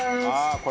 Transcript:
これ」